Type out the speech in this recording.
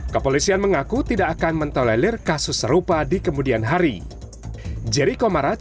kepolisian mengaku tidak akan mentolelir kasus serupa di kemudian hari